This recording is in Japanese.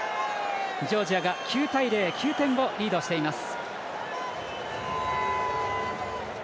ジョージアが９対０９点をリードしています。